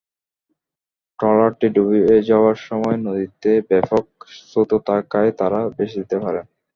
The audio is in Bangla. ট্রলারটি ডুবে যাওয়ার সময় নদীতে ব্যাপক স্রোত থাকায় তাঁরা ভেসে যেতে পারেন।